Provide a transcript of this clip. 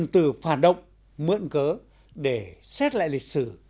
từ phản động mượn cớ để xét lại lịch sử